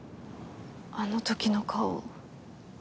あの時の顔